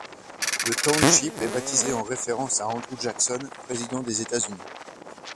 Le township est baptisé en référence à Andrew Jackson, président des États-Unis.